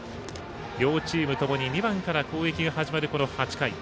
両チームともに２番から攻撃が始まるこの８回。